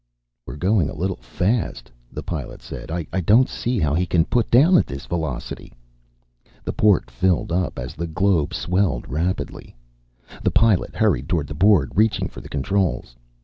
"We're going a little fast," the Pilot said. "I don't see how he can put down at this velocity." The port filled up, as the globe swelled rapidly. The Pilot hurried toward the board, reaching for the controls.